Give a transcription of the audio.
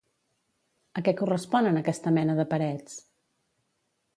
A què corresponen aquesta mena de parets?